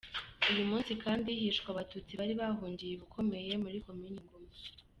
Uyu munsi kandi hishwe Abatutsi bari bahungiye i Bukomeye muri Komini Ngoma.